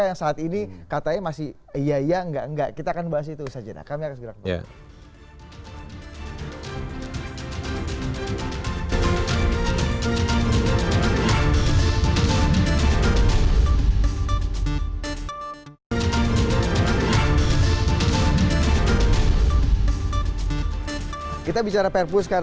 yang saat ini katanya masih